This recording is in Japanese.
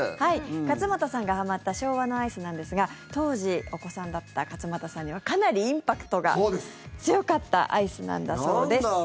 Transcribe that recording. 勝俣さんがはまった昭和なアイスなんですが当時お子さんだった勝俣さんにはかなりインパクトが強かったアイスなんだそうです。